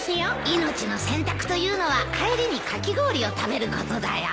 命の洗濯というのは帰りにかき氷を食べることだよ。